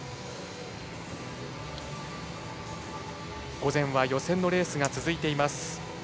午前は予選のレースが続いています。